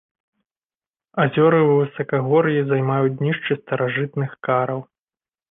Азёры ў высакагор'і займаюць днішчы старажытных караў.